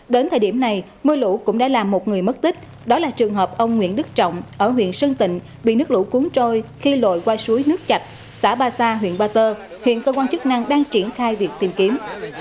đến thời điểm này mưa lũ cũng đã làm một người mất tích đó là trường hợp ông nguyễn đức trọng ở huyện sơn tịnh bị nước lũ cuốn trôi khi lội qua suối nước chạch xã ba sa huyện ba tơ hiện cơ quan chức năng đang triển khai việc tìm kiếm